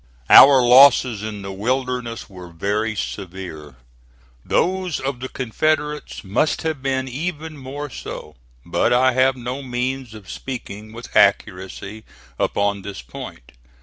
Our losses in the Wilderness were very severe. Those of the Confederates must have been even more so; but I have no means of speaking with accuracy upon this point.